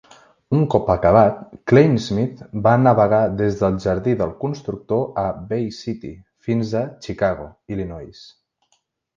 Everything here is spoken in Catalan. Un cop acabat, "Kleinsmith" va navegar des del jardí del constructor a Bay City fins a Chicago, Illinois.